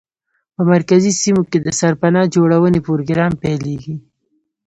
په مرکزي سیمو کې د سرپناه جوړونې پروګرام پیلېږي.